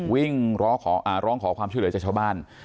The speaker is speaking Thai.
วิ่งร้องขอความช่วยเหลือจากชาวบ้าน